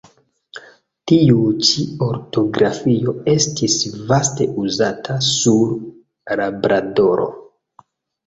Tiu ĉi ortografio estis vaste uzata sur Labradoro.